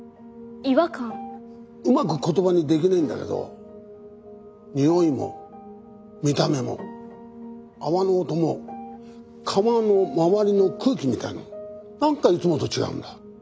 うまく言葉にできねえんだけど匂いも見た目も泡の音も窯の周りの空気みたいなのも何かいつもと違うんだ。